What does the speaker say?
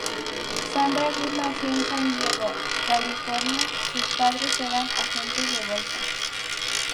Sandra Good nació en San Diego, California, su padre era agente de bolsas.